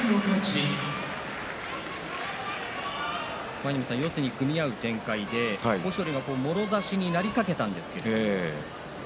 舞の海さん、四つに組み合う展開で豊昇龍がもろ差しになりかけたんですけれど。